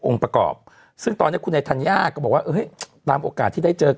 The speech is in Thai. ประกอบซึ่งตอนนี้คุณไอธัญญาก็บอกว่าเฮ้ยตามโอกาสที่ได้เจอ